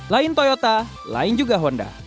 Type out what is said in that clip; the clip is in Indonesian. lain toyota lain juga honda